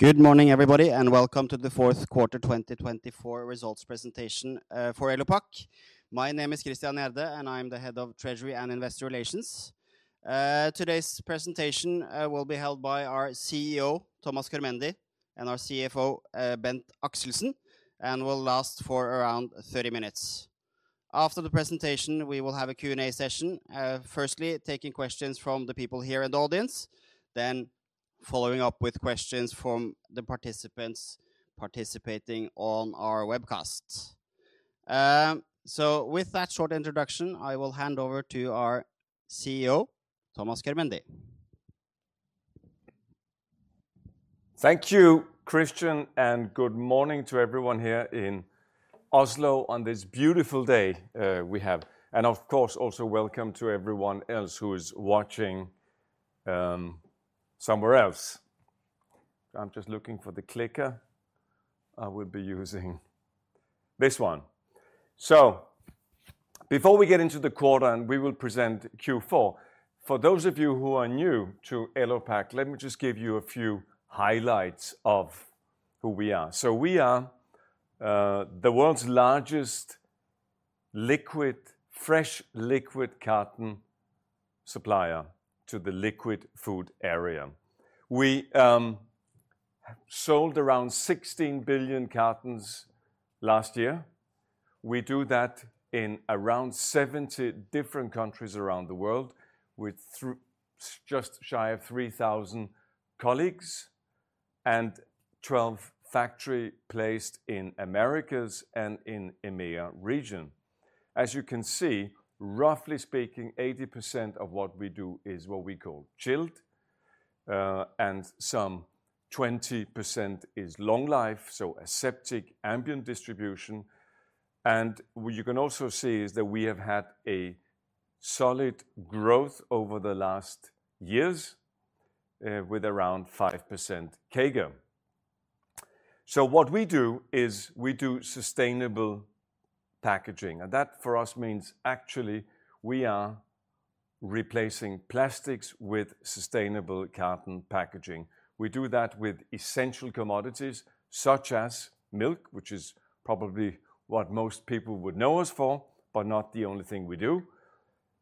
Good morning, everybody, and welcome to the Q4 2024 results presentation for Elopak. My name is Christian Gjerde, and I'm the head of Treasury and Investor Relations. Today's presentation will be held by our CEO, Thomas Körmendi, and our CFO, Bent K. Axelsen, and will last for around 30 minutes. After the presentation, we will have a Q&A session, firstly taking questions from the people here in the audience, then following up with questions from the participants participating on our webcast. So with that short introduction, I will hand over to our CEO, Thomas Körmendi. Thank you, Christian, and good morning to everyone here in Oslo on this beautiful day we have. And of course, also welcome to everyone else who is watching somewhere else. I'm just looking for the clicker I will be using. This one. So before we get into the quarter, and we will present Q4, for those of you who are new to Elopak, let me just give you a few highlights of who we are. So we are the world's largest liquid, fresh liquid carton supplier to the liquid food area. We sold around 16 billion cartons last year. We do that in around 70 different countries around the world with just shy of 3,000 colleagues and 12 factories placed in the Americas and in the EMEA region. As you can see, roughly speaking, 80% of what we do is what we call chilled, and some 20% is long life, so aseptic ambient distribution, and what you can also see is that we have had a solid growth over the last years with around 5% CAGR, so what we do is we do sustainable packaging, and that for us means actually we are replacing plastics with sustainable carton packaging. We do that with essential commodities such as milk, which is probably what most people would know us for, but not the only thing we do,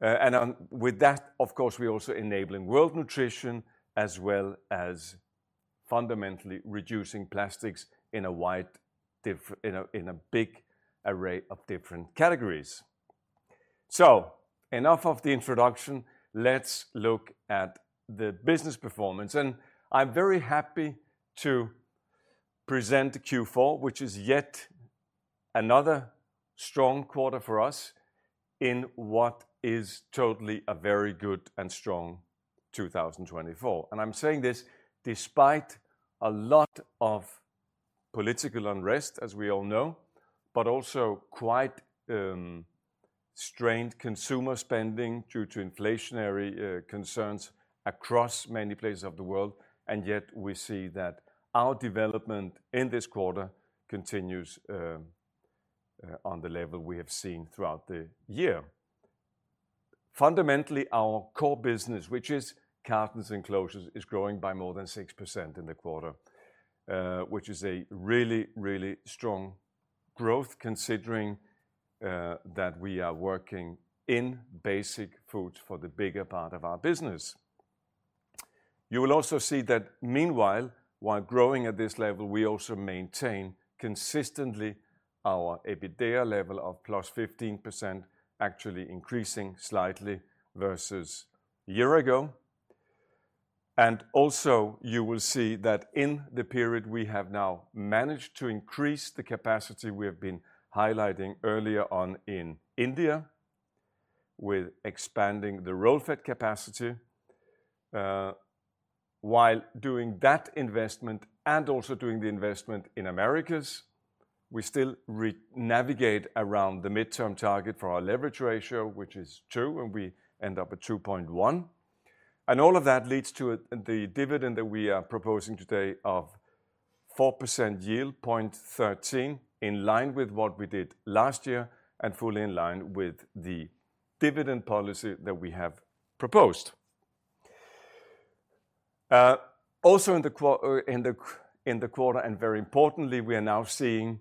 and with that, of course, we're also enabling world nutrition as well as fundamentally reducing plastics in a wide difference in a big array of different categories, so enough of the introduction. Let's look at the business performance, and I'm very happy to present Q4, which is yet another strong quarter for us in what is totally a very good and strong 2024. And I'm saying this despite a lot of political unrest, as we all know, but also quite strained consumer spending due to inflationary concerns across many places of the world. And yet we see that our development in this quarter continues on the level we have seen throughout the year. Fundamentally, our core business, which is cartons and closures, is growing by more than 6% in the quarter, which is a really, really strong growth considering that we are working in basic foods for the bigger part of our business. You will also see that meanwhile, while growing at this level, we also maintain consistently our EBITDA level of plus 15%, actually increasing slightly versus a year ago. And also you will see that in the period we have now managed to increase the capacity we have been highlighting earlier on in India with expanding the roll-fed capacity. While doing that investment and also doing the investment in Americas, we still navigate around the mid-term target for our leverage ratio, which is two, and we end up at 2.1. And all of that leads to the dividend that we are proposing today of 4% yield, 0.13, in line with what we did last year and fully in line with the dividend policy that we have proposed. Also in the quarter, and very importantly, we are now seeing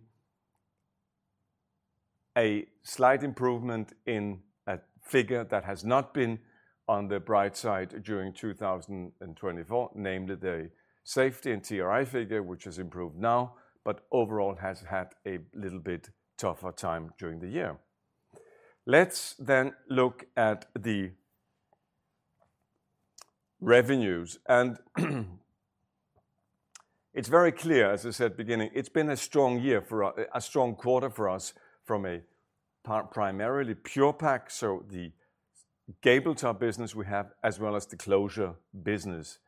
a slight improvement in a figure that has not been on the bright side during 2024, namely the safety and TRI figure, which has improved now, but overall has had a little bit tougher time during the year. Let's then look at the revenues, and it's very clear, as I said at the beginning, it's been a strong year and a strong quarter for us from primarily Pure-Pak. So the Gable top business we have, as well as the closure business,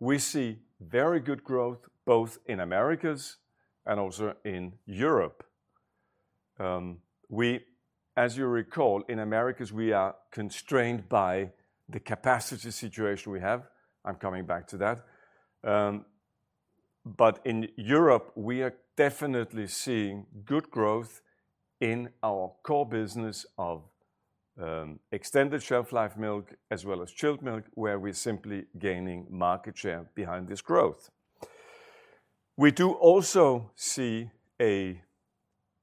we see very good growth both in Americas and also in Europe. As you recall, in Americas, we are constrained by the capacity situation we have. I'm coming back to that. But in Europe, we are definitely seeing good growth in our core business of extended shelf life milk, as well as chilled milk, where we're simply gaining market share behind this growth. We do also see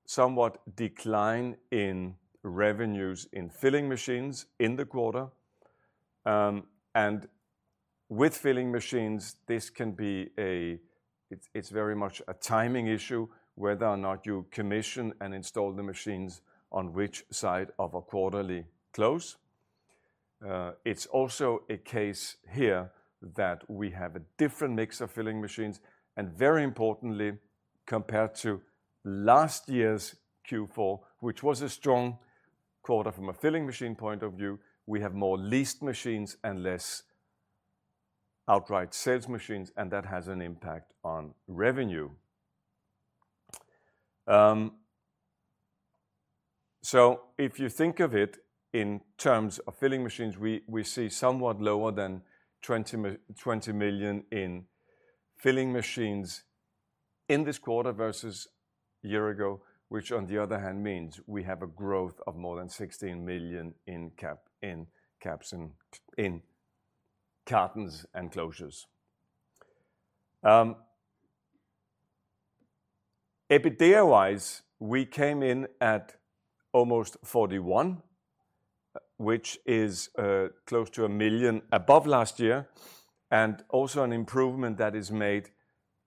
somewhat of a decline in revenues in filling machines in the quarter. With filling machines, this can be a, it's very much a timing issue whether or not you commission and install the machines on which side of a quarterly close. It's also a case here that we have a different mix of filling machines. Very importantly, compared to last year's Q4, which was a strong quarter from a filling machine point of view, we have more leased machines and less outright sales machines, and that has an impact on revenue. If you think of it in terms of filling machines, we see somewhat lower than 20 million in filling machines in this quarter versus a year ago, which on the other hand means we have a growth of more than 16 million in caps in cartons and closures. EBITDA wise, we came in at almost 41, which is close to a million above last year, and also an improvement that is made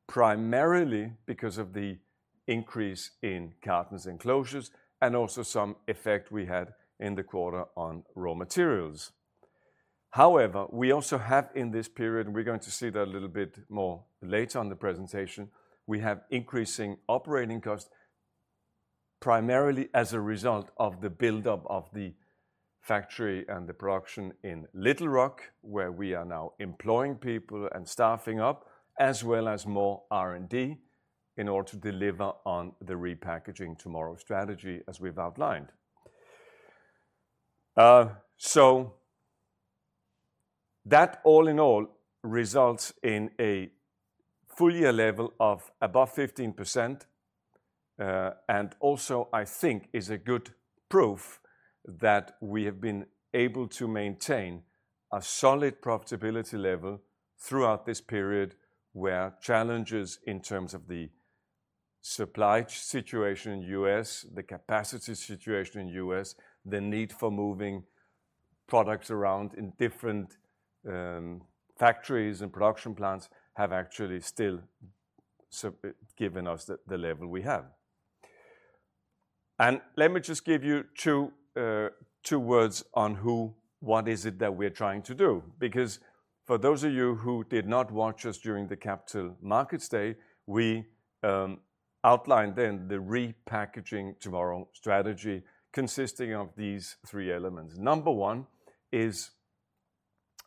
primarily because of the increase in cartons and closures and also some effect we had in the quarter on raw materials. However, we also have in this period, and we're going to see that a little bit more later on the presentation, we have increasing operating costs primarily as a result of the buildup of the factory and the production in Little Rock, where we are now employing people and staffing up, as well as more R&D in order to deliver on the Repackaging Tomorrow strategy as we've outlined. So that all in all results in a full year level of above 15%, and also I think is a good proof that we have been able to maintain a solid profitability level throughout this period where challenges in terms of the supply situation in the U.S., the capacity situation in the U.S., the need for moving products around in different factories and production plants have actually still given us the level we have. And let me just give you two words on who, what is it that we are trying to do? Because for those of you who did not watch us during the Capital Markets Day, we outlined then the Repackaging Tomorrow strategy consisting of these three elements. Number one is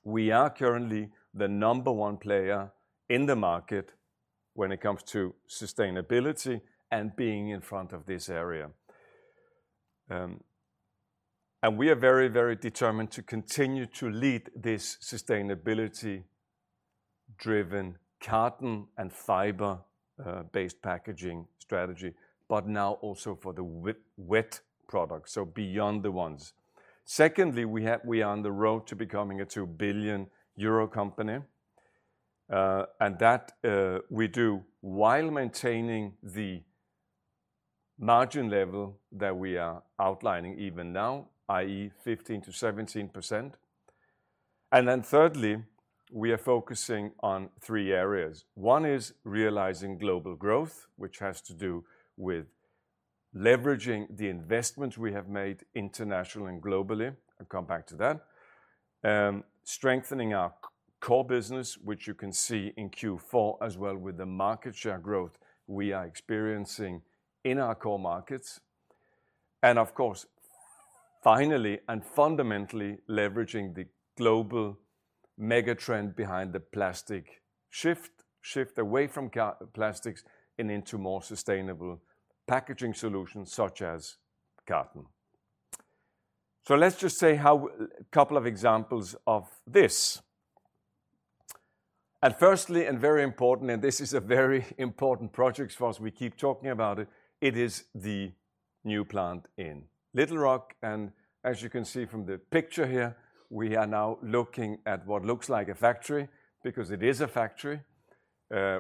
we are currently the number one player in the market when it comes to sustainability and being in front of this area. We are very, very determined to continue to lead this sustainability-driven carton- and fiber-based packaging strategy, but now also for the wet products, so beyond the ones. Secondly, we are on the road to becoming a 2 billion euro company. And that we do while maintaining the margin level that we are outlining even now, i.e., 15%-17%. And then thirdly, we are focusing on three areas. One is realizing global growth, which has to do with leveraging the investments we have made internationally and globally. I'll come back to that. Strengthening our core business, which you can see in Q4 as well with the market share growth we are experiencing in our core markets. And of course, finally and fundamentally leveraging the global mega trend behind the plastic shift, shift away from plastics and into more sustainable packaging solutions such as carton. So, let's just say a couple of examples of this. And, firstly, and very important, and this is a very important project for us. We keep talking about it. It is the new plant in Little Rock. And, as you can see from the picture here, we are now looking at what looks like a factory because it is a factory.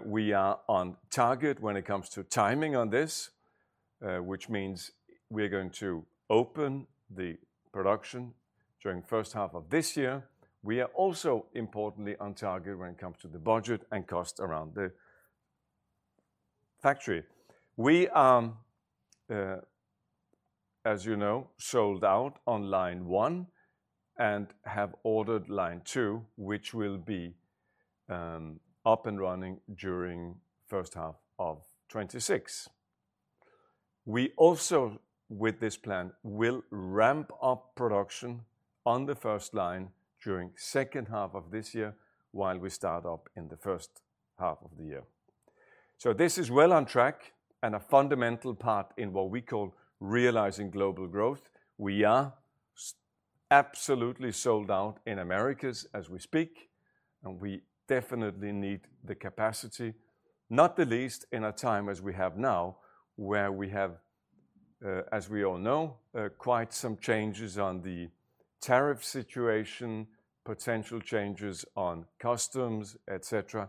We are on target when it comes to timing on this, which means we are going to open the production during the first half of this year. We are also importantly on target when it comes to the budget and cost around the factory. We are, as you know, sold out on line one and have ordered line two, which will be up and running during the first half of 2026. We also, with this plan, will ramp up production on the first line during the second half of this year while we start up in the first half of the year. So this is well on track and a fundamental part in what we call realizing global growth. We are absolutely sold out in Americas as we speak, and we definitely need the capacity, not the least in a time as we have now where we have, as we all know, quite some changes on the tariff situation, potential changes on customs, et cetera.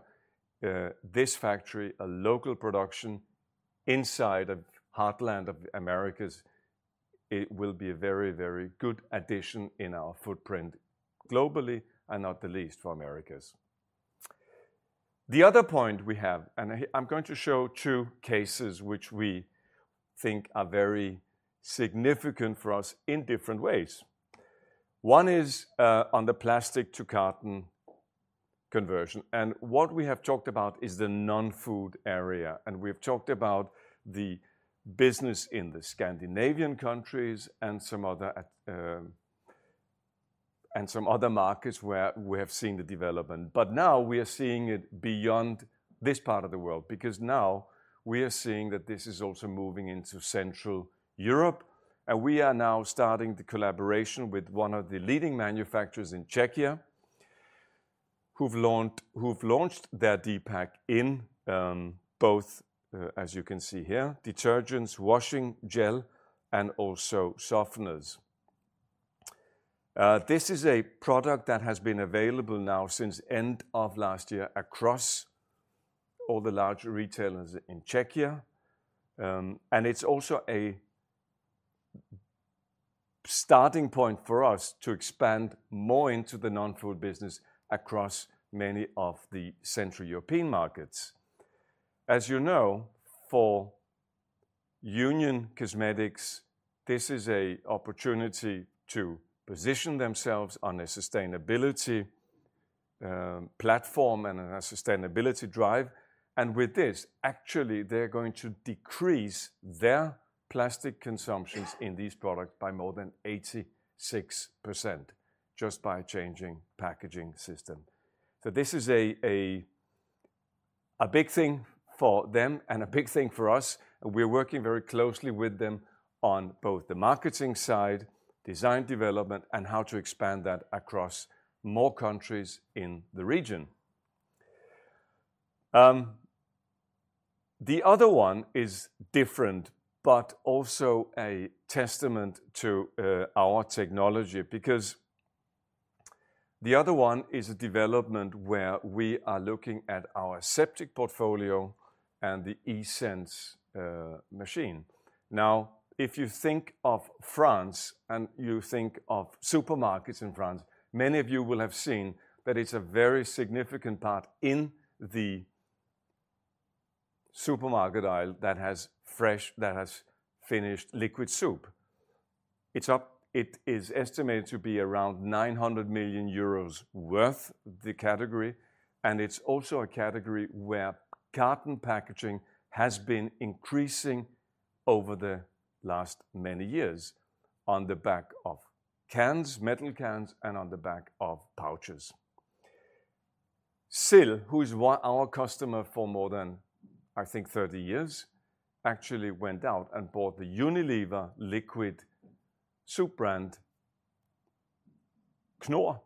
This factory, a local production inside of heartland of Americas, it will be a very, very good addition in our footprint globally and not the least for Americas. The other point we have, and I'm going to show two cases which we think are very significant for us in different ways. One is on the plastic to carton conversion. And what we have talked about is the non-food area. And we've talked about the business in the Scandinavian countries and some other markets where we have seen the development. But now we are seeing it beyond this part of the world because now we are seeing that this is also moving into Central Europe. And we are now starting the collaboration with one of the leading manufacturers in Czechia who've launched their D-PAK in both, as you can see here, detergents, washing gel, and also softeners. This is a product that has been available now since the end of last year across all the large retailers in Czechia. And it's also a starting point for us to expand more into the non-food business across many of the Central European markets. As you know, for Union Cosmetic, this is an opportunity to position themselves on a sustainability platform and a sustainability drive. And with this, actually, they're going to decrease their plastic consumptions in these products by more than 86% just by changing packaging system. So this is a big thing for them and a big thing for us. And we're working very closely with them on both the marketing side, design development, and how to expand that across more countries in the region. The other one is different, but also a testament to our technology because the other one is a development where we are looking at our aseptic portfolio and the eSense machine. Now, if you think of France and you think of supermarkets in France, many of you will have seen that it's a very significant part in the supermarket aisle that has fresh, that has finished liquid soup. It's up, it is estimated to be around 900 million euros worth the category. And it's also a category where carton packaging has been increasing over the last many years on the back of cans, metal cans, and on the back of pouches. Sill, who is our customer for more than, I think, 30 years, actually went out and bought the Unilever liquid soup brand Knorr,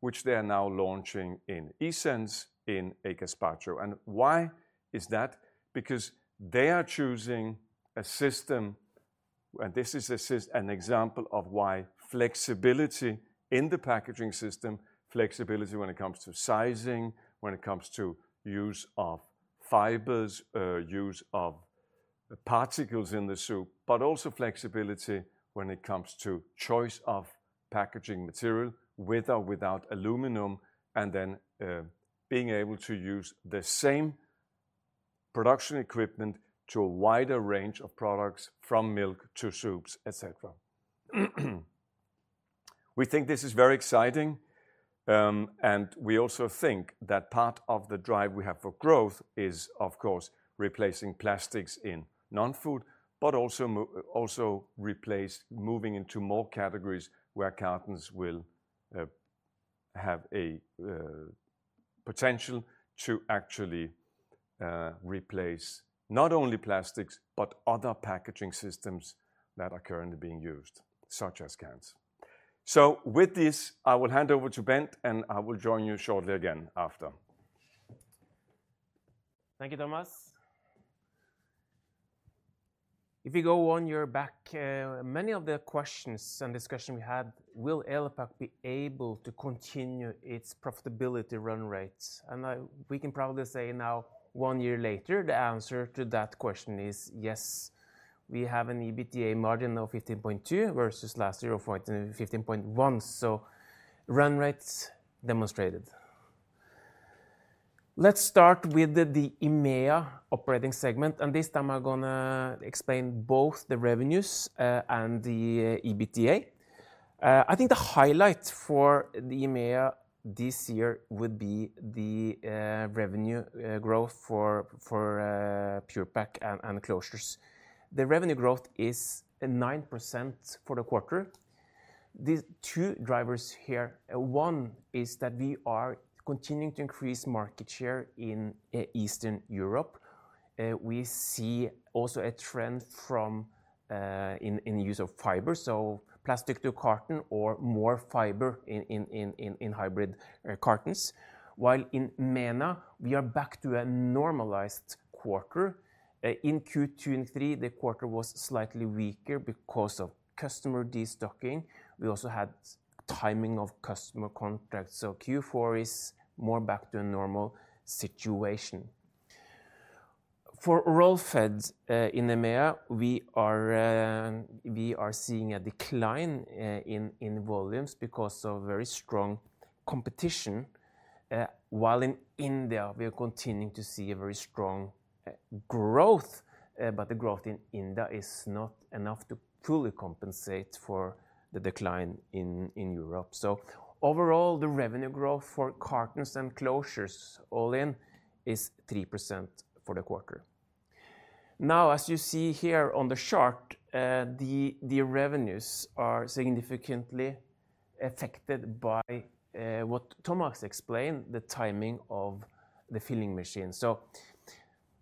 which they are now launching in eSense in gazpacho. And why is that? Because they are choosing a system, and this is an example of why flexibility in the packaging system, flexibility when it comes to sizing, when it comes to use of fibers, use of particles in the soup, but also flexibility when it comes to choice of packaging material with or without aluminum, and then being able to use the same production equipment to a wider range of products from milk to soups, et cetera. We think this is very exciting. And we also think that part of the drive we have for growth is, of course, replacing plastics in non-food, but also moving into more categories where cartons will have a potential to actually replace not only plastics, but other packaging systems that are currently being used, such as cans. So with this, I will hand over to Bent, and I will join you shortly again after. Thank you, Thomas. If you go back, many of the questions and discussions we had will Elopak be able to continue its profitability run rate? We can probably say now, one year later, the answer to that question is yes. We have an EBITDA margin of 15.2% versus last year of 15.1%. Run rates demonstrated. Let's start with the EMEA operating segment. This time I'm going to explain both the revenues and the EBITDA. I think the highlight for the EMEA this year would be the revenue growth for Pure-Pak and closures. The revenue growth is 9% for the quarter. These two drivers here, one is that we are continuing to increase market share in Eastern Europe. We see also a trend towards increased use of fiber, so Plastic to Carton or more fiber in hybrid cartons. While in MENA, we are back to a normalized quarter. In Q2 and Q3, the quarter was slightly weaker because of customer destocking. We also had timing of customer contracts. So Q4 is more back to a normal situation. For Roll-fed in EMEA, we are seeing a decline in volumes because of very strong competition. While in India, we are continuing to see a very strong growth, but the growth in India is not enough to fully compensate for the decline in Europe. So overall, the revenue growth for cartons and closures all in is 3% for the quarter. Now, as you see here on the chart, the revenues are significantly affected by what Thomas explained, the timing of the filling machine.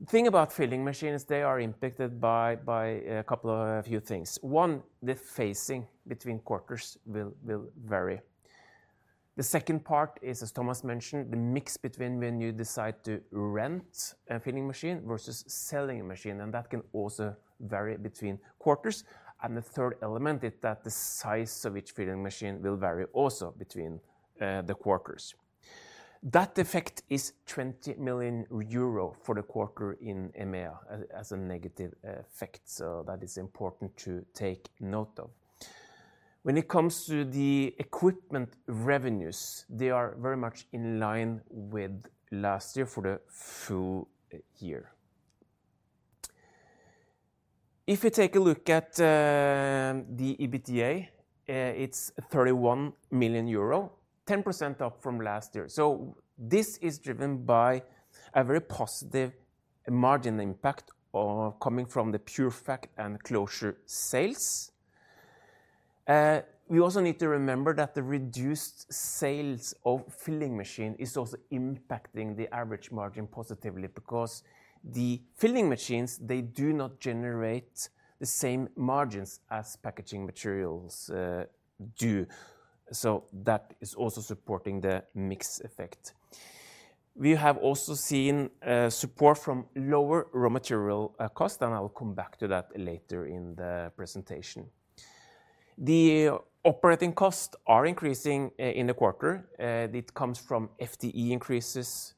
So the thing about filling machines, they are impacted by a couple of few things. One, the phasing between quarters will vary. The second part is, as Thomas mentioned, the mix between when you decide to rent a filling machine versus selling a machine, and that can also vary between quarters, and the third element is that the size of each filling machine will vary also between the quarters. That effect is 20 million euro for the quarter in EMEA as a negative effect. So that is important to take note of. When it comes to the equipment revenues, they are very much in line with last year for the full year. If you take a look at the EBITDA, it's 31 million euro, 10% up from last year. So this is driven by a very positive margin impact coming from the Pure-Pak and closure sales. We also need to remember that the reduced sales of filling machines is also impacting the average margin positively because the filling machines, they do not generate the same margins as packaging materials do. So that is also supporting the mix effect. We have also seen support from lower raw material costs, and I'll come back to that later in the presentation. The operating costs are increasing in the quarter. It comes from FTE increases,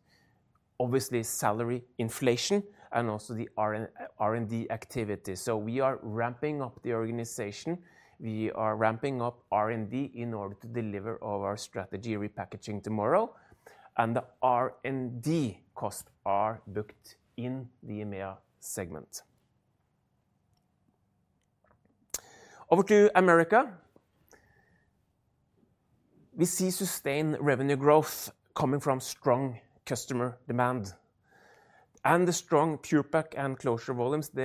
obviously salary inflation, and also the R&D activity. So we are ramping up the organization. We are ramping up R&D in order to deliver our strategy Repackaging Tomorrow, and the R&D costs are booked in the EMEA segment. Over to America. We see sustained revenue growth coming from strong customer demand. And the strong Pure-Pak and closure volumes, they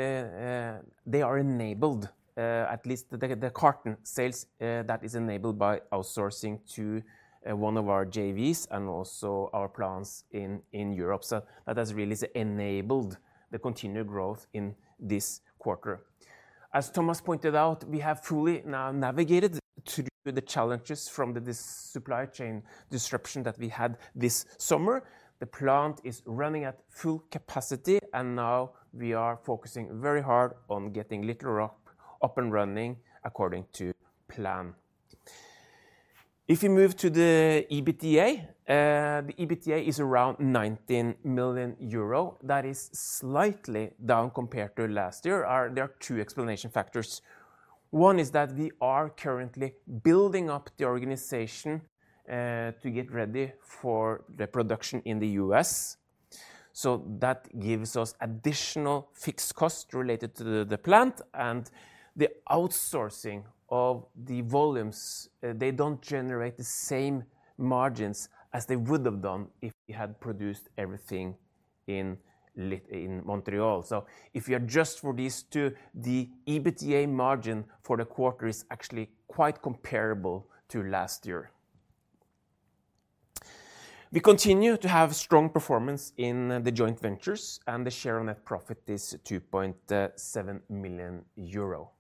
are enabled, at least the carton sales that is enabled by outsourcing to one of our JVs and also our plants in Europe. So that has really enabled the continued growth in this quarter. As Thomas pointed out, we have fully now navigated through the challenges from the supply chain disruption that we had this summer. The plant is running at full capacity, and now we are focusing very hard on getting Little Rock up and running according to plan. If you move to the EBITDA, the EBITDA is around 19 million euro. That is slightly down compared to last year. There are two explanation factors. One is that we are currently building up the organization to get ready for the production in the US. So that gives us additional fixed costs related to the plant and the outsourcing of the volumes. They don't generate the same margins as they would have done if we had produced everything in Montreal. So if you adjust for these two, the EBITDA margin for the quarter is actually quite comparable to last year. We continue to have strong performance in the joint ventures, and the share of net profit is 2.7 million euro.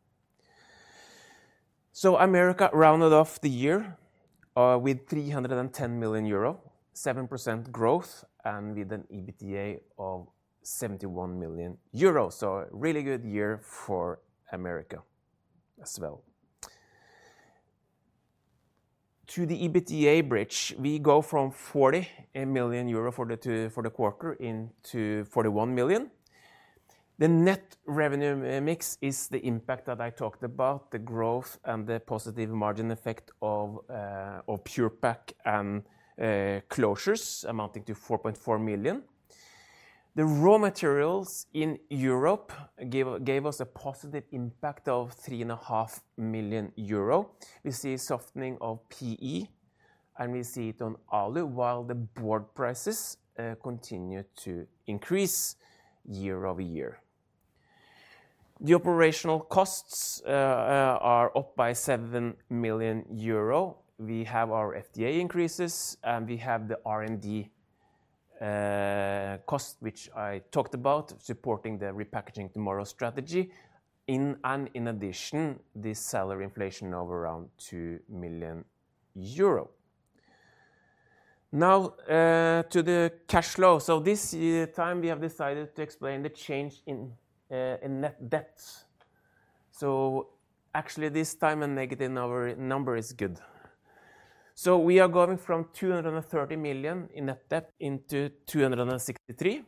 So America rounded off the year with 310 million euro, 7% growth, and with an EBITDA of 71 million euro. So a really good year for America as well. To the EBITDA bridge, we go from 40 million euro for the quarter into 41 million. The net revenue mix is the impact that I talked about, the growth and the positive margin effect of Pure-Pak and closures amounting to 4.4 million. The raw materials in Europe gave us a positive impact of 3.5 million euro. We see softening of PE, and we see it on Alu while the board prices continue to increase year over year. The operational costs are up by 7 million euro. We have our FDA increases, and we have the R&D cost, which I talked about, supporting the Repackaging Tomorrow strategy, and in addition, the salary inflation of around 2 million euro. Now to the cash flow. So this time, we have decided to explain the change in net debt. So actually, this time a negative number is good. So we are going from 230 million in net debt into 263.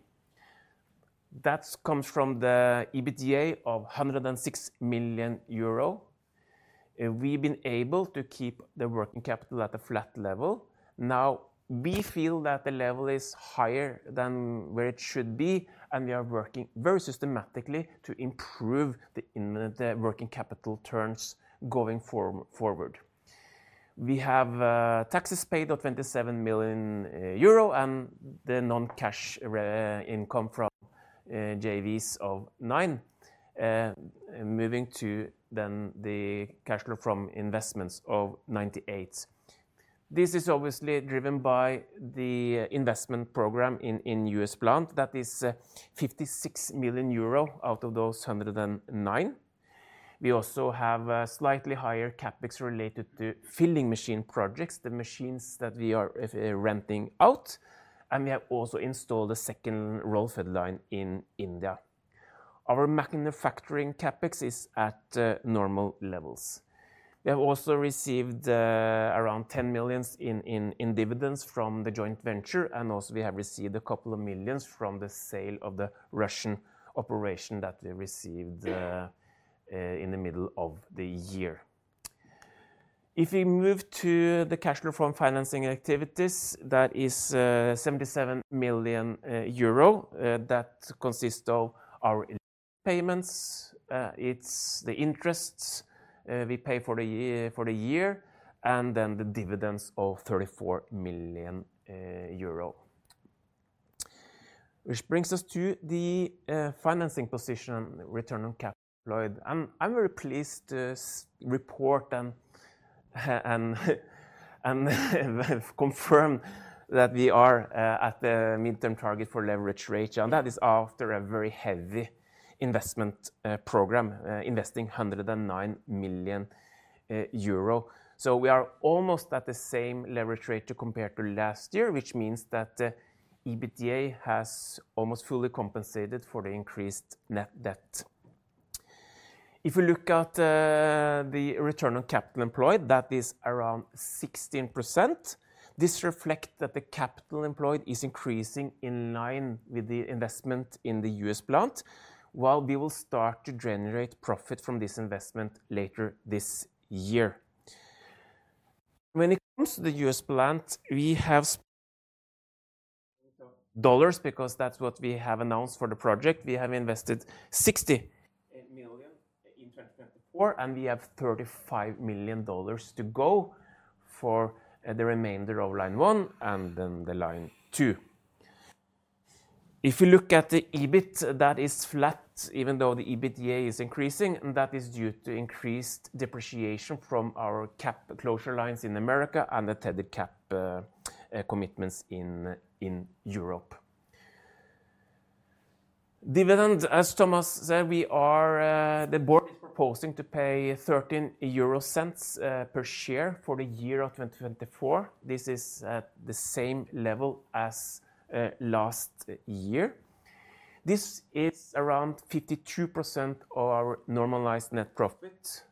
That comes from the EBITDA of 106 million euro. We've been able to keep the working capital at a flat level. Now, we feel that the level is higher than where it should be, and we are working very systematically to improve the working capital turns going forward. We have taxes paid of 27 million euro and the non-cash income from JVs of 9, moving to then the cash flow from investments of 98. This is obviously driven by the investment program in US plant. That is 56 million euro out of those 109. We also have a slightly higher CapEx related to filling machine projects, the machines that we are renting out, and we have also installed a second roll-fed line in India. Our manufacturing CapEx is at normal levels. We have also received around 10 million in dividends from the joint venture, and also we have received a couple of millions from the sale of the Russian operation that we received in the middle of the year. If we move to the cash flow from financing activities, that is 77 million euro. That consists of our payments, the interests we pay for the year, and then the dividends of 34 million euro, which brings us to the financing position, return on capital, and I'm very pleased to report and confirm that we are at the midterm target for leverage ratio, and that is after a very heavy investment program, investing 109 million euro, so we are almost at the same leverage ratio compared to last year, which means that the EBITDA has almost fully compensated for the increased net debt. If we look at the return on capital employed, that is around 16%. This reflects that the capital employed is increasing in line with the investment in the U.S. plant, while we will start to generate profit from this investment later this year. When it comes to the US plant, we have dollars because that's what we have announced for the project. We have invested $68 million in 2024, and we have $35 million to go for the remainder of line one and then the line two. If you look at the EBIT, that is flat, even though the EBITDA is increasing, and that is due to increased depreciation from our cap closure lines in America and the tethered cap commitments in Europe. Dividend, as Thomas said, the board is proposing to pay 0.13 per share for the year of 2024. This is at the same level as last year. This is around 52% of our normalized net profit.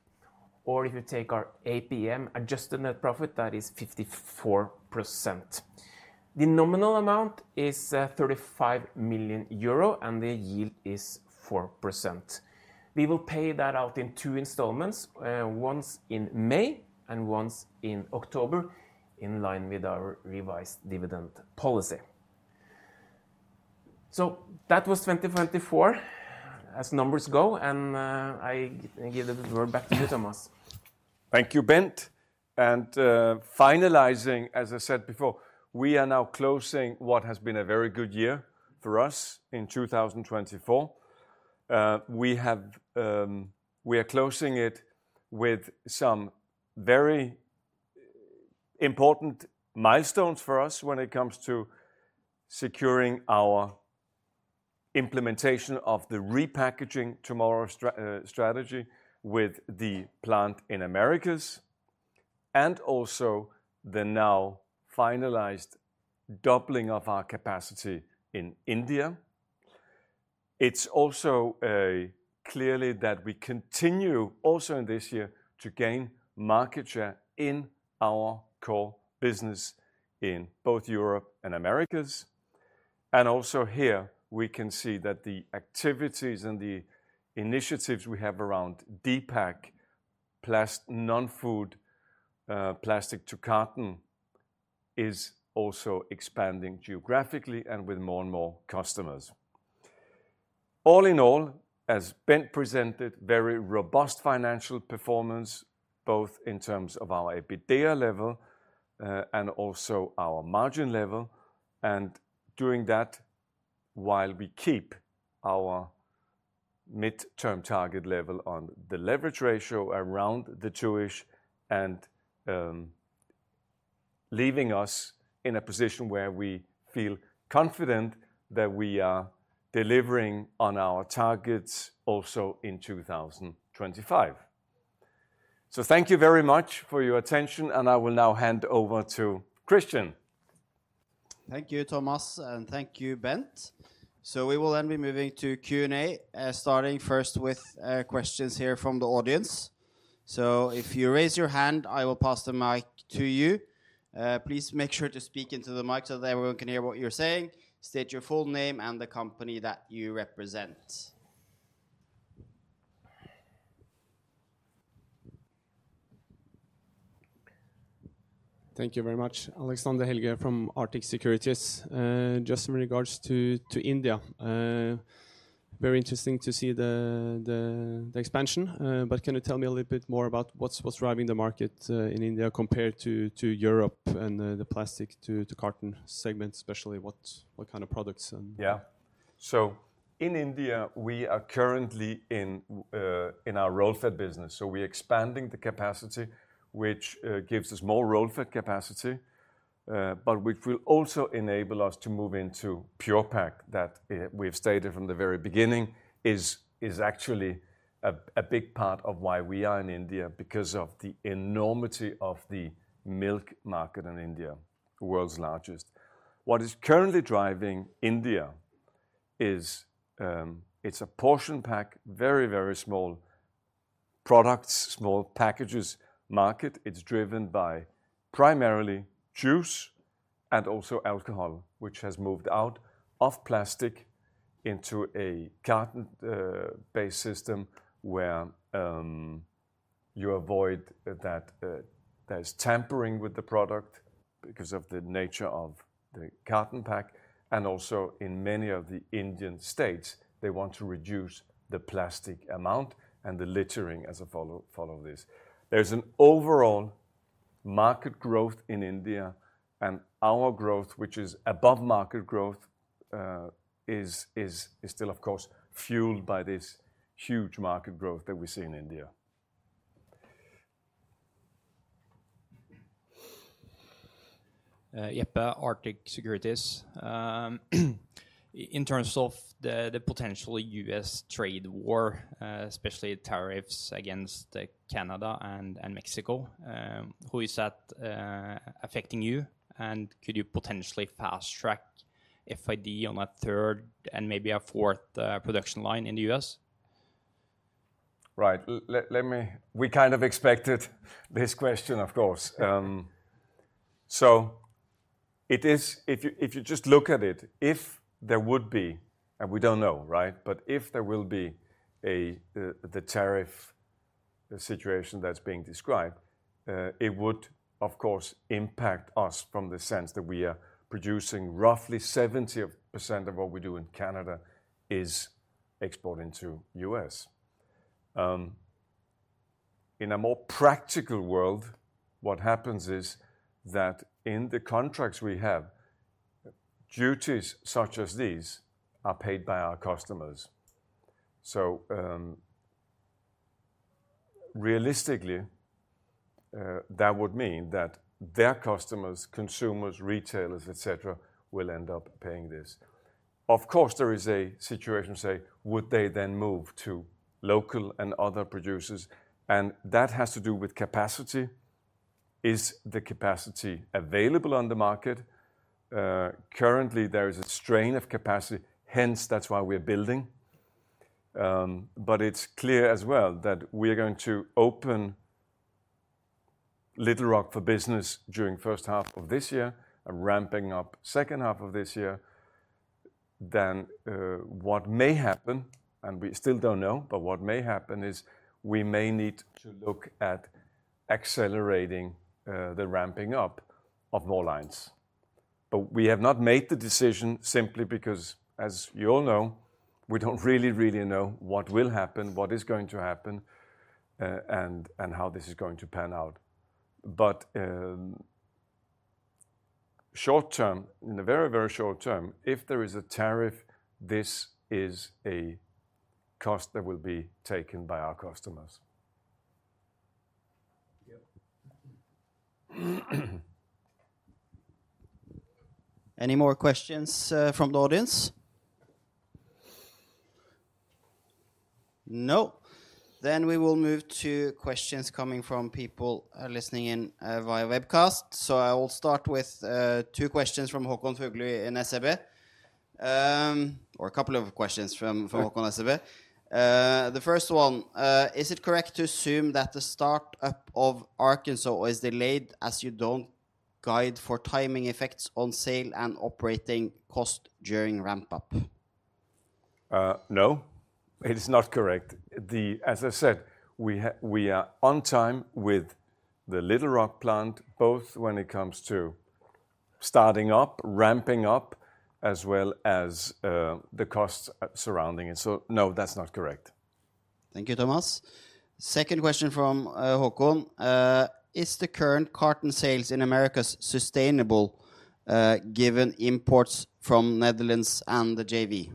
Or if you take our APM, adjusted net profit, that is 54%. The nominal amount is 35 million euro, and the yield is 4%. We will pay that out in two installments, once in May and once in October, in line with our revised dividend policy. So that was 2024 as numbers go, and I give the word back to you, Thomas. Thank you, Bent. And finalizing, as I said before, we are now closing what has been a very good year for us in 2024. We are closing it with some very important milestones for us when it comes to securing our implementation of the Repackaging Tomorrow strategy with the plant in Americas and also the now finalized doubling of our capacity in India. It's also clear that we continue also in this year to gain market share in our core business in both Europe and Americas. Also here, we can see that the activities and the initiatives we have around D-PAK, plastic, non-food, plastic to carton, is also expanding geographically and with more and more customers. All in all, as Bent presented, very robust financial performance, both in terms of our EBITDA level and also our margin level. Doing that while we keep our midterm target level on the leverage ratio around the two-ish and leaving us in a position where we feel confident that we are delivering on our targets also in 2025. Thank you very much for your attention, and I will now hand over to Christian. Thank you, Thomas, and thank you, Bent. We will then be moving to Q&A, starting first with questions here from the audience. If you raise your hand, I will pass the mic to you. Please make sure to speak into the mic so that everyone can hear what you're saying. State your full name and the company that you represent. Thank you very much, Alexander Helgø from Arctic Securities. Just in regards to India, very interesting to see the expansion, but can you tell me a little bit more about what's driving the market in India compared to Europe and the Plastic to Carton segment, especially what kind of products? Yeah, so in India, we are currently in our roll-fed business. So we are expanding the capacity, which gives us more roll-fed capacity, but which will also enable us to move into Pure-Pak that we've stated from the very beginning is actually a big part of why we are in India, because of the enormity of the milk market in India, the world's largest. What is currently driving India is it's a portion pack, very, very small products, small packages market. It's driven by primarily juice and also alcohol, which has moved out of plastic into a carton-based system where you avoid that there's tampering with the product because of the nature of the carton pack. And also in many of the Indian states, they want to reduce the plastic amount and the littering as a follow this. There's an overall market growth in India, and our growth, which is above market growth, is still, of course, fueled by this huge market growth that we see in India. Yep, Arctic Securities. In terms of the potential U.S. trade war, especially tariffs against Canada and Mexico, who is that affecting you? And could you potentially fast track FID on a third and maybe a fourth production line in the U.S.? Right, we kind of expected this question, of course. It is, if you just look at it, if there would be, and we don't know, right, but if there will be the tariff situation that's being described, it would, of course, impact us from the sense that we are producing roughly 70% of what we do in Canada is exporting to the U.S. In a more practical world, what happens is that in the contracts we have, duties such as these are paid by our customers. Realistically, that would mean that their customers, consumers, retailers, etc., will end up paying this. Of course, there is a situation to say, would they then move to local and other producers? That has to do with capacity. Is the capacity available on the market? Currently, there is a strain of capacity, hence that's why we're building. But it's clear as well that we are going to open Little Rock for business during the first half of this year and ramping up the second half of this year. Then what may happen, and we still don't know, but what may happen is we may need to look at accelerating the ramping up of more lines. But we have not made the decision simply because, as you all know, we don't really, really know what will happen, what is going to happen, and how this is going to pan out. But short term, in the very, very short term, if there is a tariff, this is a cost that will be taken by our customers. Yep. Any more questions from the audience? No. Then we will move to questions coming from people listening in via webcast. So I will start with two questions from Håkon Fuglu in SEB, or a couple of questions from Håkon SEB. The first one, is it correct to assume that the startup of Arkansas is delayed as you don't guide for timing effects on sale and operating cost during ramp-up? No, it is not correct. As I said, we are on time with the Little Rock plant, both when it comes to starting up, ramping up, as well as the costs surrounding it. So no, that's not correct. Thank you, Thomas. Second question from Håkon. Is the current carton sales in America sustainable given imports from Netherlands and the JV?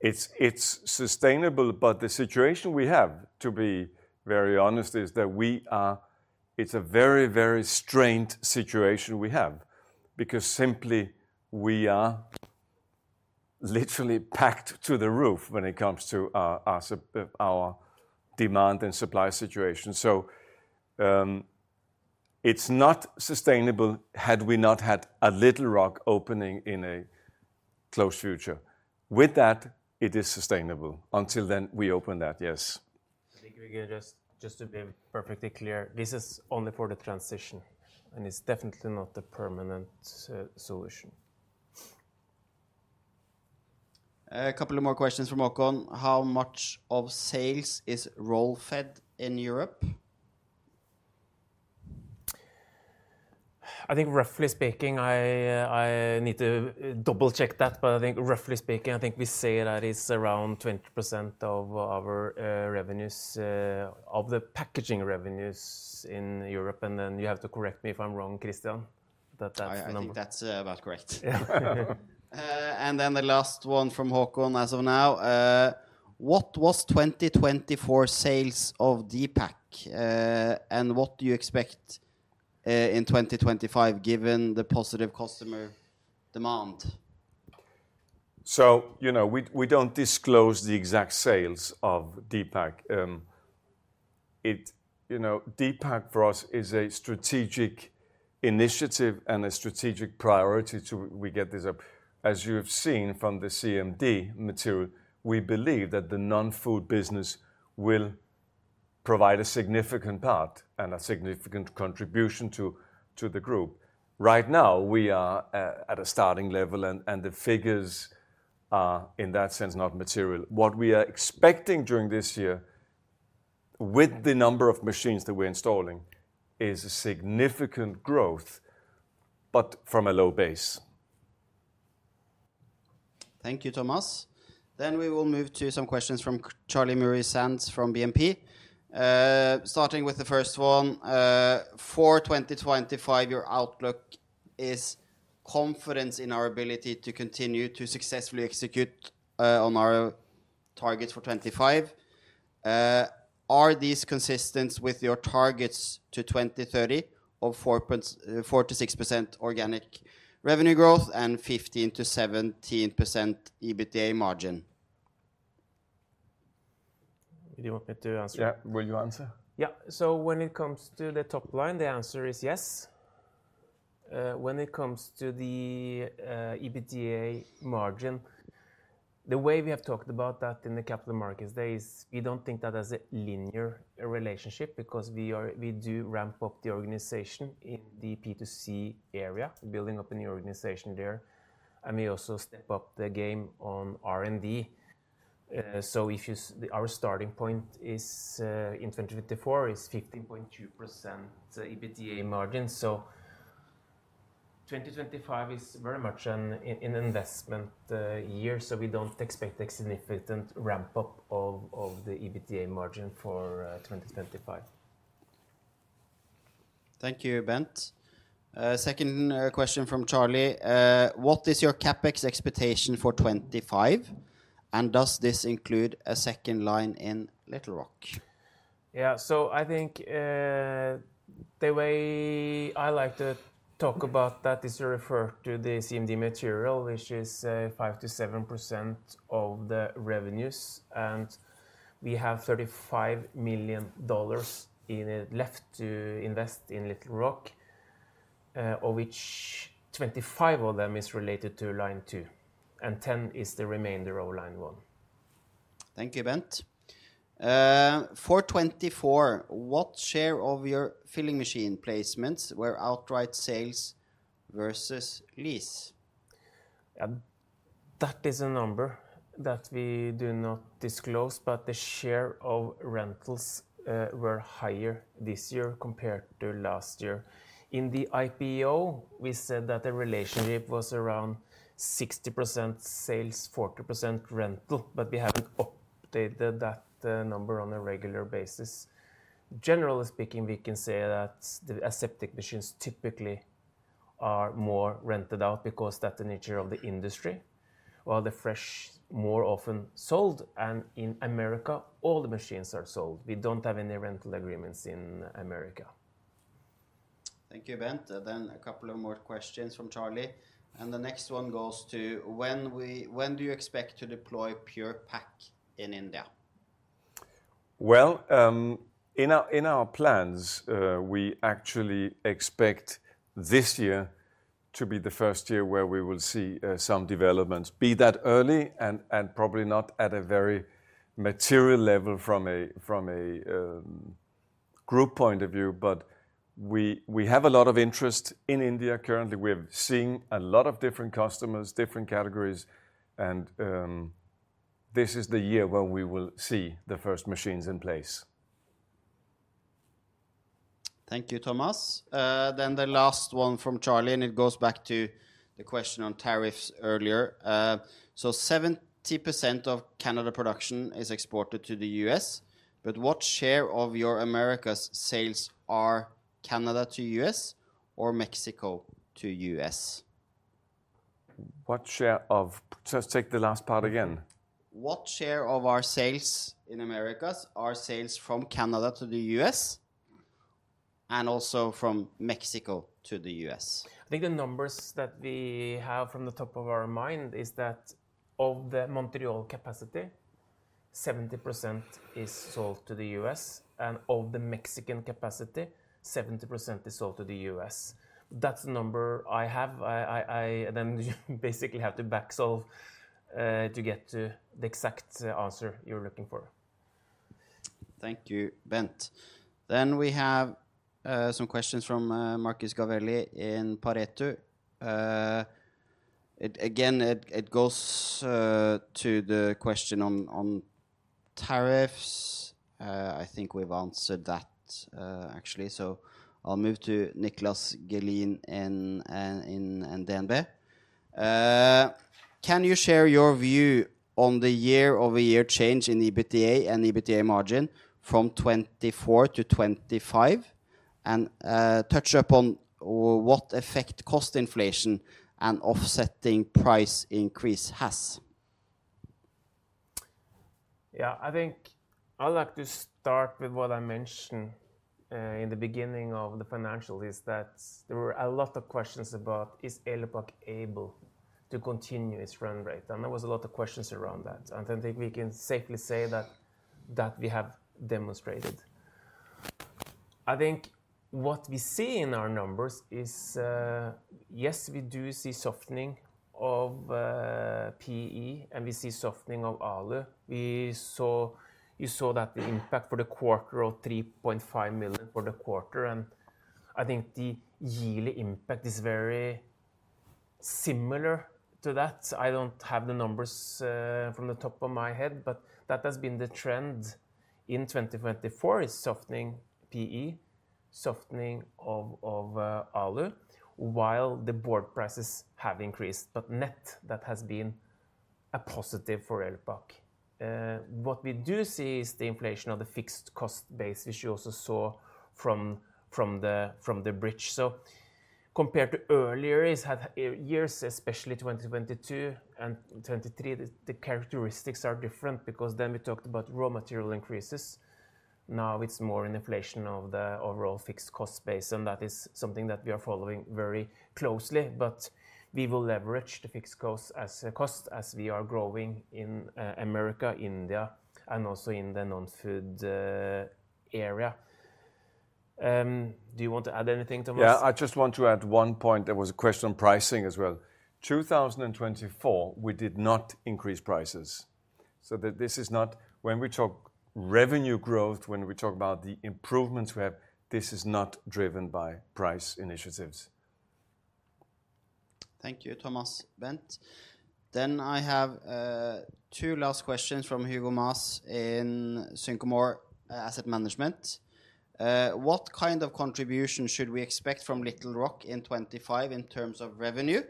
It's sustainable, but the situation we have, to be very honest, is that we are, it's a very, very strained situation we have because simply we are literally packed to the roof when it comes to our demand and supply situation. So it's not sustainable had we not had a Little Rock opening in a close future. With that, it is sustainable. Until then, we open that, yes. Thank you, Miguel. Just to be perfectly clear, this is only for the transition, and it's definitely not the permanent solution. A couple of more questions from Håkon. How much of sales is roll-fed in Europe? I think roughly speaking, I need to double-check that, but I think roughly speaking, I think we say that it's around 20% of our revenues, of the packaging revenues in Europe. And then you have to correct me if I'm wrong, Christian, that that's the number. I think that's about correct. And then the last one from Håkon as of now. What was 2024 sales of D-PAK, and what do you expect in 2025 given the positive customer demand? So you know we don't disclose the exact sales of D-PAK. D-PAK for us is a strategic initiative and a strategic priority to we get this. As you have seen from the CMD material, we believe that the non-food business will provide a significant part and a significant contribution to the group. Right now, we are at a starting level, and the figures are in that sense not material. What we are expecting during this year with the number of machines that we're installing is a significant growth, but from a low base. Thank you, Thomas. We will move to some questions from Charlie Muir-Sands from BNP. Starting with the first one, for 2025, your outlook is confidence in our ability to continue to successfully execute on our targets for 2025. Are these consistent with your targets to 2030 of 4-6% organic revenue growth and 15-17% EBITDA margin? You want me to answer? Yeah, will you answer? Yeah. So when it comes to the top line, the answer is yes. When it comes to the EBITDA margin, the way we have talked about that in the capital markets days, we don't think there's a linear relationship because we do ramp up the organization in the P2C area, building up a new organization there. And we also step up the game on R&D. So, you know, our starting point in 2024 is 15.2% EBITDA margin. So 2025 is very much an investment year. So we don't expect a significant ramp-up of the EBITDA margin for 2025. Thank you, Bent. Second question from Charlie. What is your CapEx expectation for 2025? And does this include a second line in Little Rock? Yeah, so I think the way I like to talk about that is to refer to the CMD material, which is 5 to 7% of the revenues. And we have $35 million left to invest in Little Rock, of which $25 million is related to line two, and $10 million is the remainder of line one. Thank you, Bent. For 2024, what share of your filling machine placements were outright sales versus lease? That is a number that we do not disclose, but the share of rentals were higher this year compared to last year. In the IPO, we said that the relationship was around 60% sales, 40% rental, but we haven't updated that number on a regular basis. Generally speaking, we can say that the aseptic machines typically are more rented out because that's the nature of the industry. While the fresh more often sold, and in America, all the machines are sold. We don't have any rental agreements in America. Thank you, Bent. Then a couple of more questions from Charlie. And the next one goes to when do you expect to deploy Pure-Pak in India? Well, in our plans, we actually expect this year to be the first year where we will see some developments, be that early and probably not at a very material level from a group point of view. But we have a lot of interest in India currently. We have seen a lot of different customers, different categories. And this is the year where we will see the first machines in place. Thank you, Thomas. Then the last one from Charlie, and it goes back to the question on tariffs earlier. So 70% of Canada production is exported to the US. But what share of your Americas sales are Canada to US or Mexico to US? What share of just take the last part again. What share of our sales in America are sales from Canada to the US and also from Mexico to the US? I think the numbers that we have from the top of our mind is that of the Montreal capacity, 70% is sold to the US, and of the Mexican capacity, 70% is sold to the US. That's the number I have. I then basically have to backsolve to get to the exact answer you're looking for. Thank you, Bent. Then we have some questions from Marcus Gavelli in Pareto. Again, it goes to the question on tariffs. I think we've answered that actually. So I'll move to Niclas Gehin in DNB. Can you share your view on the year-over-year change in EBITDA and EBITDA margin from 2024 to 2025? And touch upon what effect cost inflation and offsetting price increase has? Yeah, I think I'd like to start with what I mentioned in the beginning of the financials is that there were a lot of questions about is Elopak able to continue its run rate. And there was a lot of questions around that. And I think we can safely say that we have demonstrated. I think what we see in our numbers is, yes, we do see softening of PE, and we see softening of ALU. You saw that the impact for the quarter of 3.5 million for the quarter. And I think the yearly impact is very similar to that. I don't have the numbers from the top of my head, but that has been the trend in 2024: softening PE, softening of ALU, while the board prices have increased, but net that has been a positive for Elopak. What we do see is the inflation of the fixed cost base, which you also saw from the bridge. So compared to earlier years, especially 2022 and 2023, the characteristics are different because then we talked about raw material increases. Now it's more an inflation of the overall fixed cost base. That is something that we are following very closely. But we will leverage the fixed cost as we are growing in America, India, and also in the non-food area. Do you want to add anything, Thomas? Yeah, I just want to add one point. There was a question on pricing as well. 2024, we did not increase prices. So this is not, when we talk revenue growth, when we talk about the improvements we have, this is not driven by price initiatives. Thank you, Thomas, Bent. Then I have two last questions from Hugo Massé in Sycomore Asset Management. What kind of contribution should we expect from Little Rock in 2025 in terms of revenue?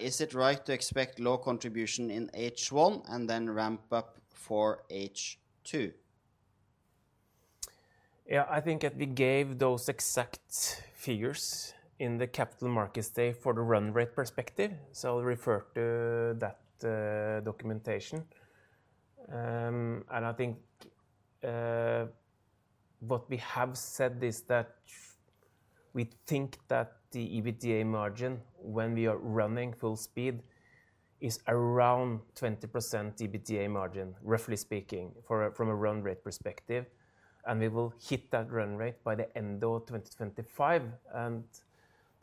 Is it right to expect low contribution in H1 and then ramp up for H2? Yeah, I think that we gave those exact figures in the capital markets day for the run rate perspective. So I'll refer to that documentation. And I think what we have said is that we think that the EBITDA margin when we are running full speed is around 20% EBITDA margin, roughly speaking, from a run rate perspective. And we will hit that run rate by the end of 2025.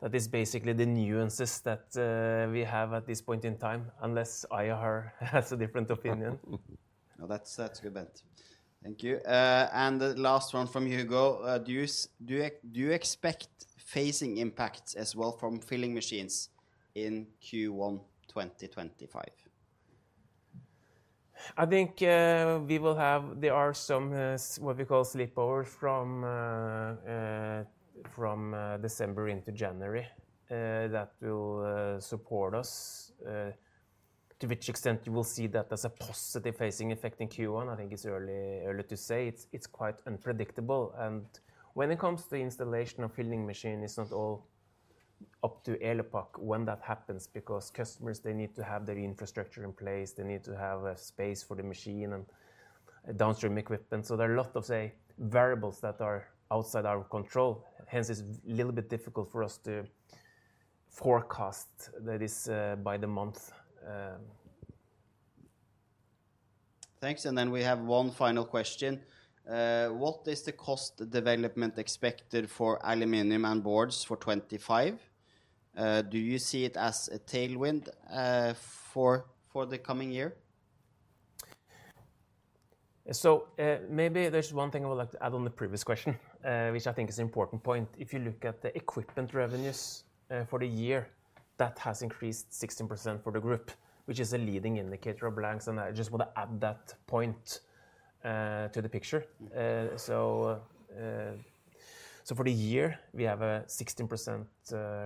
That is basically the nuances that we have at this point in time, unless IHR has a different opinion. No, that's good, Bent. Thank you. And the last one from Hugo. Do you expect phasing impacts as well from filling machines in Q1 2025? I think we will have. There are some what we call slipovers from December into January that will support us to which extent you will see that as a positive phasing effect in Q1. I think it's early to say. It's quite unpredictable. And when it comes to the installation of filling machines, it's not all up to Elopak when that happens because customers, they need to have their infrastructure in place. They need to have a space for the machine and downstream equipment. So there are a lot of variables that are outside our control. Hence, it's a little bit difficult for us to forecast, that is, by the month. Thanks, and then we have one final question. What is the cost development expected for aluminum and boards for 2025? Do you see it as a tailwind for the coming year? So maybe there's one thing I would like to add on the previous question, which I think is an important point. If you look at the equipment revenues for the year, that has increased 16% for the group, which is a leading indicator of blanks. And I just want to add that point to the picture. So for the year, we have a 16%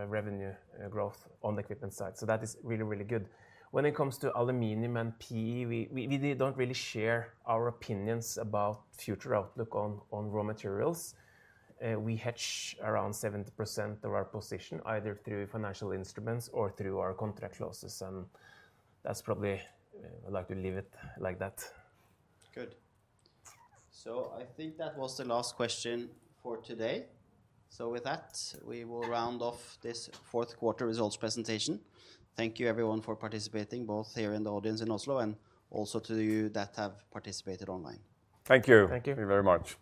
revenue growth on the equipment side. So that is really, really good. When it comes to aluminum and PE, we don't really share our opinions about future outlook on raw materials. We hedge around 70% of our position either through financial instruments or through our contract clauses. And that's probably. I'd like to leave it like that. Good. So I think that was the last question for today. So with that, we will round off this Q4 results presentation. Thank you, everyone, for participating, both here in the audience in Oslo and also to you that have participated online. Thank you. Thank you very much.